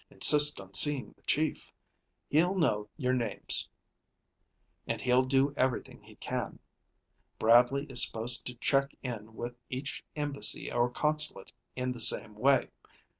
Insist on seeing the chief. Hell know your names and he'll do everything he can. Bradley is supposed to check in with each embassy or consulate in the same way.